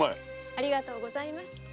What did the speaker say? ありがとうございます。